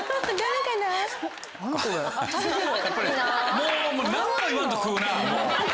もう何も言わんと食うな。